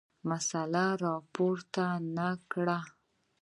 مسله راپورته نه کړه.